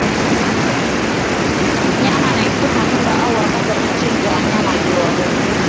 mnyama anayetupa mimba au wakati wa kuchinja wanyama walio wagonjwa